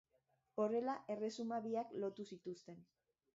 Horrela erresuma biak lotu zituzten.